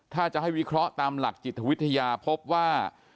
ถ้าจะให้วิเคราะห์ตามหลักจิตวิทยาพบว่า